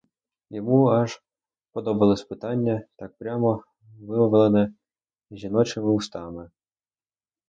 Йому аж подобалось питання, так прямо вимовлене жіночими устами.